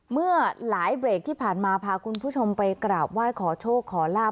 เมื่อหลายเบรกที่ผ่านมาพาคุณผู้ชมไปกราบไหว้ขอโชคขอลาบ